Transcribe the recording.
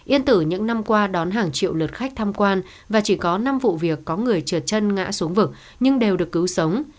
yên tử những năm qua đón hàng triệu lượt khách tham quan và chỉ có năm vụ việc có người trượt chân ngã xuống vực nhưng đều được cứu sống